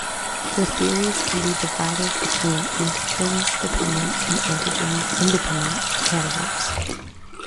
The theories can be divided between antigen-dependent and antigen-independent categories.